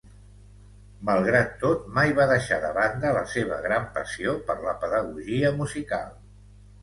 Malgrat tot, mai va deixar de banda la seva gran passió per la pedagogia musical.